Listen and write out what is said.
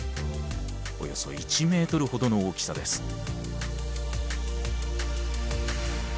およそ１ｍほどの大きさです。